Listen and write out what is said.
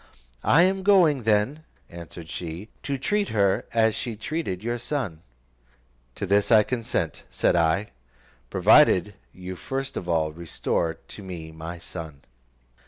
"I am going then," answered she, "to treat her as she treated your son." "To this I consent," said I, "provided you first of all restore to me my son."